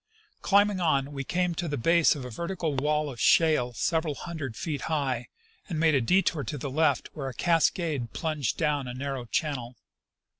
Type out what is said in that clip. Climbing on, we Came to the base of a vertical wall of shale several hundred feet high, and made a detour to the lelt where a cascade plunged down a narrow channel.